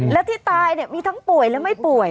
และที่ตายมีทั้งป่วยและไม่ป่วย